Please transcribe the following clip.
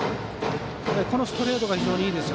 このストレートが非常にいいです。